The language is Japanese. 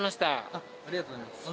ありがとうございます。